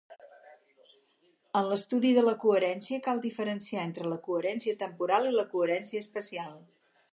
En l'estudi de la coherència cal diferenciar entre la coherència temporal i la coherència espacial.